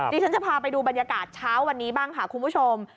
ดิฉันจะพาไปดูบรรยากาศเช้าวันนี้บ้างค่ะคุณผู้ชม